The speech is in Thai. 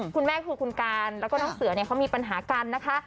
คุณแม่คือคุณการแล้วก็น้องเสือเนี่ยเขามีปัญหากันนะคะ